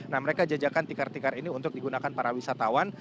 nah mereka jajakan tikar tikar ini untuk digunakan para wisatawan